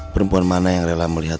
perempuan mana yang rela melihat